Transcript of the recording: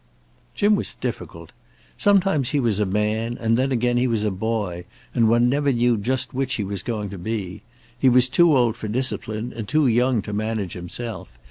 Jim was difficult. Sometimes he was a man, and then again he was a boy, and one never knew just which he was going to be. He was too old for discipline and too young to manage himself.